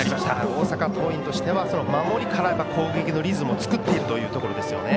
大阪桐蔭としては守りから攻撃のリズムを作っているというところですね。